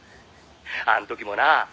「あん時もなあ」